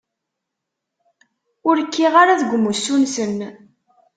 Ur kkiɣ ara deg umussu-nsen!